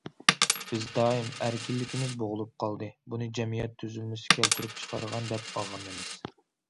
بىز دائىم« ئەركىنلىكىمىز بوغۇلۇپ قالدى، بۇنى جەمئىيەت تۈزۈلمىسى كەلتۈرۈپ چىقارغان» دەپ ئاغرىنىمىز.